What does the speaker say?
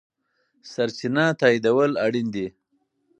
سرچینه تاییدول اړین دي.